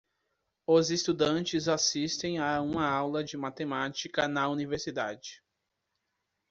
Os estudantes assistem a uma aula de matemática na universidade.